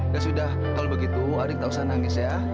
ya sudah kalau begitu adik tak usah nangis ya